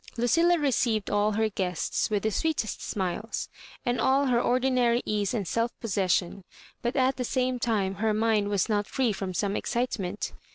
Lucilla received all her guests with the sweetest smiles and all her ordinary ease and self posses sion, but at the same time her mind was not free from some excitement.